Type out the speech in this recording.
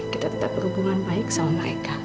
kita tetap berhubungan baik sama mereka